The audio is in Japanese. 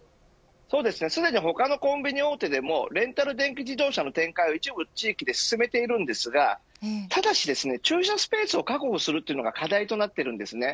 すでに他のコンビニ大手でもレンタル電気自動車の展開を一部地域で進めていますがただ、駐車スペースを確保するのが課題となっています。